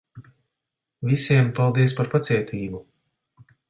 Visiem, paldies par pacietību.